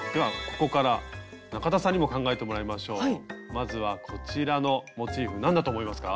まずはこちらのモチーフ何だと思いますか？